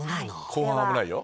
後半危ないよ。